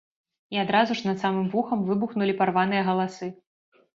І адразу ж, над самым вухам, выбухнулі парваныя галасы.